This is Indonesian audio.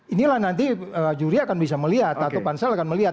inilah nanti juri akan bisa melihat atau pansel akan melihat